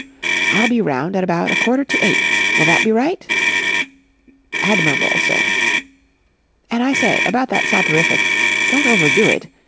"I'll be round at about a quarter to eight. Will that be right?" "Admirable, sir." "And, I say, about that soporific.... Don't overdo it.